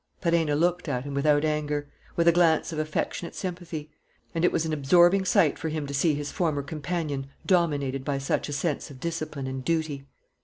Perenna looked at him without anger, with a glance of affectionate sympathy; and it was an absorbing sight for him to see his former companion dominated by such a sense of discipline and duty.